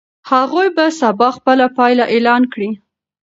هغوی به سبا خپله پایله اعلان کړي.